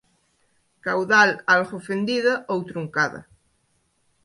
Caudal algo fendida ou truncada.